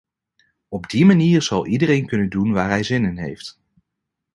Op die manier zal iedereen kunnen doen waar hij zin in heeft.